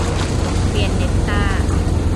เวียนเน็ตต้า